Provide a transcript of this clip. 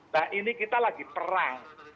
nah ini kita lagi perang